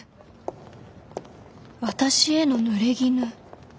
私へのぬれぎぬ。